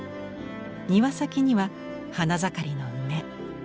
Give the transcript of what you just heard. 庭先には花盛りの梅。